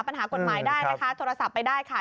ปัญหากฎหมายได้นะคะโทรศัพท์ไปได้ค่ะ